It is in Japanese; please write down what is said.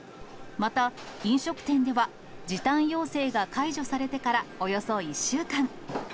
また、飲食店では、時短要請が解除されてからおよそ１週間。